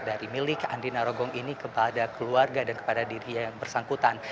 dari milik andina rogong ini kepada keluarga dan kepada diri yang bersangkutan